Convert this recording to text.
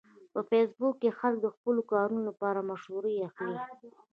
په فېسبوک کې خلک د خپلو کارونو لپاره مشورې اخلي